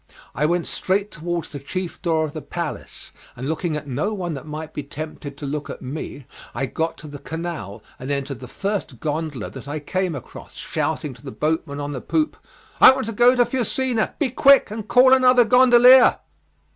I went straight towards the chief door of the palace, and looking at no one that might be tempted to look at me I got to the canal and entered the first gondola that I came across, shouting to the boatman on the poop, "I want to go to Fusina; be quick and, call another gondolier."